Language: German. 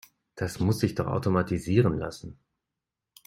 Das muss sich doch automatisieren lassen.